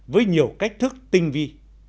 với nhiều cách thức tinh vi